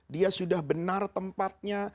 dia sudah benar tempatnya